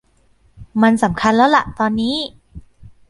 มันสำคัญแล้วล่ะตอนนี้